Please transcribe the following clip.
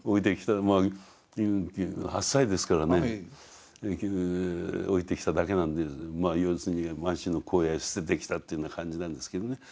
まあ８歳ですけどね置いてきただけなんで要するに満州の荒野へ捨ててきたっていうような感じなんですけどね。